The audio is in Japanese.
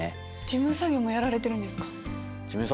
事務作業もやられてるんですか。